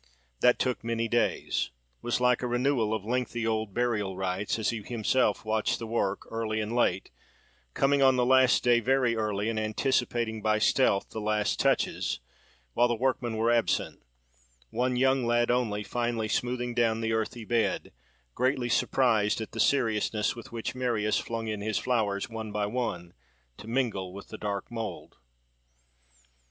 That took many days—was like a renewal of lengthy old burial rites—as he himself watched the work, early and late; coming on the last day very early, and anticipating, by stealth, the last touches, while the workmen were absent; one young lad only, finally smoothing down the earthy bed, greatly surprised at the seriousness with which Marius flung in his flowers, one by one, to mingle with the dark mould.